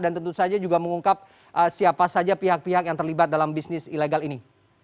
dan tentu saja juga mengungkap siapa saja pihak pihak yang terlibat dalam bisnis ilegal ini